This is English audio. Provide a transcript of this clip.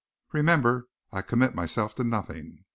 Remember I commit myself to nothing.